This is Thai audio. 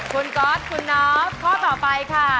คุณก๊อตคุณนอฟข้อต่อไปค่ะ